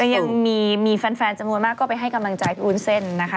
แล้วก็ยังมีแฟนจำนวงมากก็ไปให้กำลังใจมาดูอุ้นเส้นนะคะ